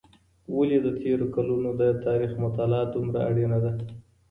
ولې د تېرو کلونو د تاریخ مطالعه دومره اړینه ده؟